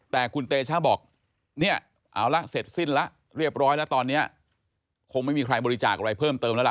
แต่คุณเตชะบอกเนี่ยเอาละเสร็จสิ้นแล้วเรียบร้อยแล้วตอนนี้คงไม่มีใครบริจาคอะไรเพิ่มเติมแล้วล่ะ